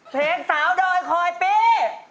เพลงสาวดอยคอยปี